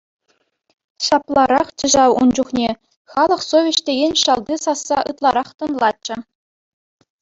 Ҫапларахчӗ ҫав ун чухне, халӑх совеҫ текен шалти сасса ытларах тӑнлатчӗ.